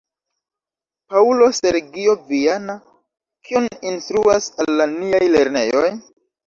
Paŭlo Sergio Viana, "Kion instruas al ni niaj lernejoj?